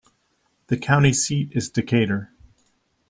The county seat is Decatur.